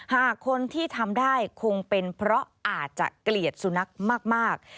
หากคนที่ทำได้คงเป็นเพราะอาจจะเกลียดสุนัขมาก